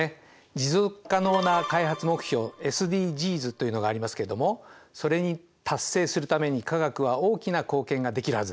持続可能な開発目標ＳＤＧｓというのがありますけれどもそれに達成するために化学は大きな貢献ができるはずです。